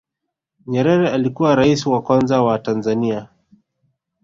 nyerere alikuwa raisi wa kwanza wa tanzania